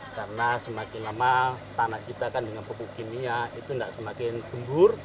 karena semakin lama tanah kita kan dengan pupuk kimia itu tidak semakin gembur